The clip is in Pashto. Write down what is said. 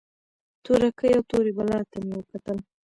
تورکي او تورې بلا ته مې وکتل.